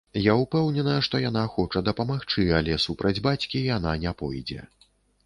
Я ўпэўнена, што яна хоча дапамагчы, але супраць бацькі яна не пойдзе.